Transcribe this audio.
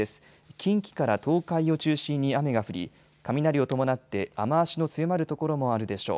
近畿から東海を中心に雨が降り雷を伴って雨足の強まる所もあるでしょう。